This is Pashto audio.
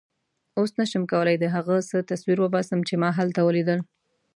اوس نه شم کولای د هغه څه تصویر وباسم چې ما هلته ولیدل.